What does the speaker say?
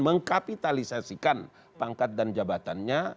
mengkapitalisasikan pangkat dan jabatannya